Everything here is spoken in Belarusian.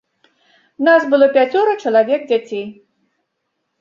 Нас было пяцёра чалавек дзяцей.